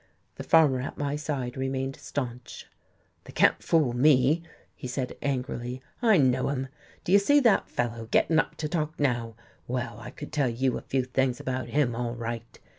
The farmer at my side remained staunch. "They can't fool me," he said angrily, "I know 'em. Do you see that fellow gettin' up to talk now? Well, I could tell you a few things about him, all right.